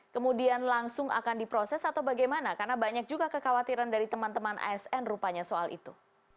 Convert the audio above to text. kemudian langsung akan diproses atau bagaimana karena banyak juga kekhawatiran dari teman teman asn rupanya soal itu